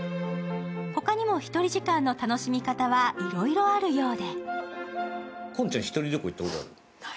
他にも、１人時間の楽しみ方はいろいろあるようで。